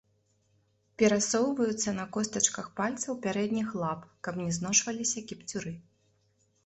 Перасоўваюцца на костачках пальцаў пярэдніх лап, каб не зношваліся кіпцюры.